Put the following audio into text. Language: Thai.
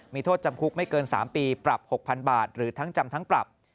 มีโทษจำคุกไม่เกิน๓ปีปรับ๖๐๐๐บาทหรือทั้งจำทั้งปรับ